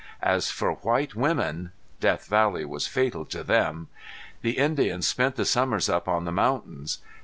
As for white women Death Valley was fatal to them. The Indians spent the summers up on the mountains.